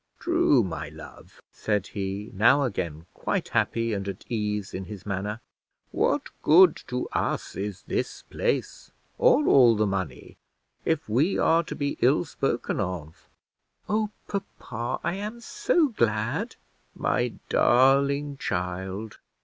"True, my love," said he, now again quite happy and at ease in his manner. "What good to us is this place or all the money, if we are to be ill spoken of?" "Oh, papa, I am so glad!" "My darling child!